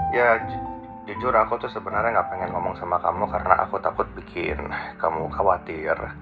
ya jujur aku tuh sebenarnya gak pengen ngomong sama kamu karena aku takut bikin kamu khawatir